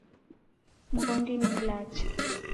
Mghondi ni mlacha.